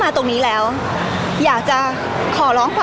พี่ตอบได้แค่นี้จริงค่ะ